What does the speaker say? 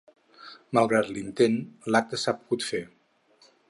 Malgrat l’intent, l’acte s’ha pogut fer.